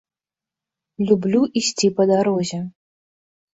Люблю ісці па дарозе.